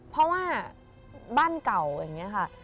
เพราะว่าบ้านเก่าอย่างนี้ค่ะ